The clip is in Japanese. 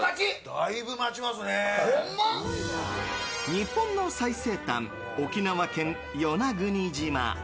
日本の最西端、沖縄県与那国島。